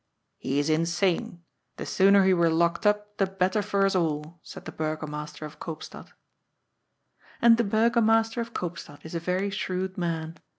" He is insane. The sooner he were locked up the bet ter for us all," said the Burgomaster of Koopstad. And the Burgomaster of Koopstad is a very shrewd man.